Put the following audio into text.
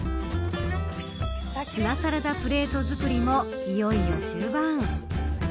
ツナサラダプレートづくりもいよいよ終盤。